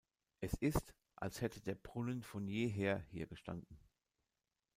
Es ist, als hätte der Brunnen von jeher hier gestanden.